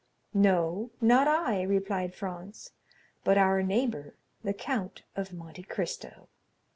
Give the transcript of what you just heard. "No, not I," replied Franz, "but our neighbor, the Count of Monte Cristo."